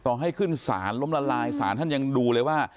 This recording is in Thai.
ให้ขึ้นศาลล้มละลายศาลท่านยังดูเลยว่า